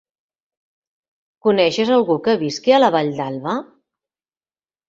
Coneixes algú que visqui a la Vall d'Alba?